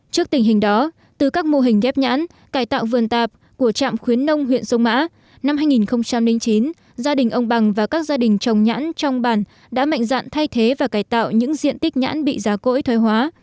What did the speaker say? trước tình hình đó từ các mô hình ghép nhãn cải tạo vườn tạp của trạm khuyến nông huyện sông mã năm hai nghìn chín gia đình ông bằng và các gia đình trồng nhãn trong bàn đã mạnh dạn thay thế và cải tạo những diện tích nhãn bị giá cỗi thoai hóa